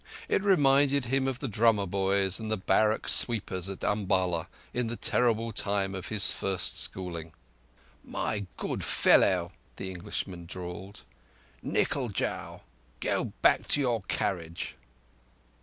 It reminded him of the drummer boys and the barrack sweepers at Umballa in the terrible time of his first schooling. "My good fool," the Englishman drawled. "Nickle jao! Go back to your carriage."